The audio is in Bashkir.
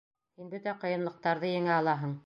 — Һин бөтә ҡыйынлыҡтарҙы еңә алаһың.